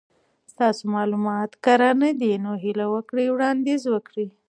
ستاسو مالومات کره ندي نو هیله وکړئ وړاندیز وکړئ